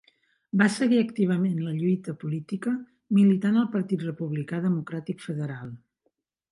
Va seguir activament la lluita política militant al Partit Republicà Democràtic Federal.